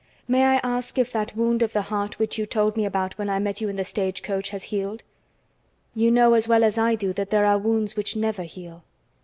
May I ask if that wound of the heart which you told me about when I met you in the stagecoach has healed?" "You know as well as I do that there are wounds which never heal."